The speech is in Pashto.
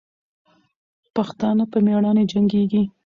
پښتانه په میړانې جنګېږي.